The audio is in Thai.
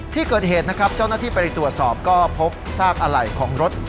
ที่เกิดเหตุนะครับเจ้าหน้าที่ไปตรวจสอบก็พบซากอะไหล่ของรถ